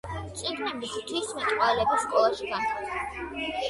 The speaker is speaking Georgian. წიგნები ღვთისმეტყველების სკოლაში განთავსდა.